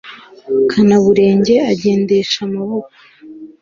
kanaburenge agendesha amaboko